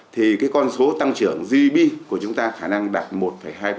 thì con số tăng trưởng gdp của chúng ta khả năng đạt một hai